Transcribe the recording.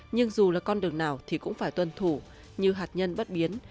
nhưng dù là con đường nào thì cũng phải tuân thủ như hạt nhân bất biến